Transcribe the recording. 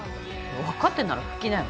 分かってんなら拭きなよ。